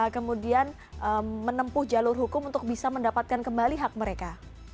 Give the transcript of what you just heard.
kemudian menempuh jalur hukum untuk bisa mendapatkan kembali hak mereka